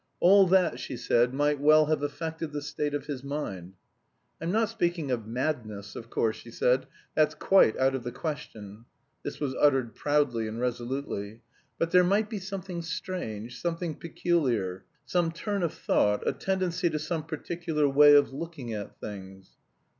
All that,' she said, 'might well have affected the state of his mind. I'm not speaking of madness, of course,' she said, 'that's quite out of the question!' (This was uttered proudly and resolutely.) 'But there might be something strange, something peculiar, some turn of thought, a tendency to some particular way of looking at things.'